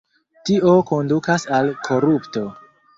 Tio kondukas al korupto.